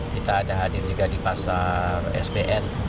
kita ada hadir juga di pasar spn